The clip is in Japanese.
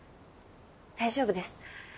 大丈夫です。